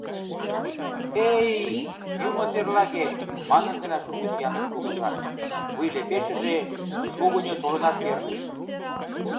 — Эй, юмо серлаге! — манын гына шуктыш Янык кугыза, вуйлепешыже шугыньо толынат перныш.